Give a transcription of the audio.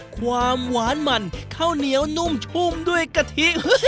ความหวานมันข้าวเหนียวนุ่มชุ่มด้วยกะทิ